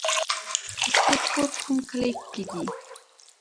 ستا کور کوم کلي کې دی